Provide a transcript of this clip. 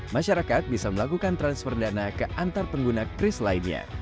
masyarakat bisa melakukan transfer dana ke antar pengguna kris lainnya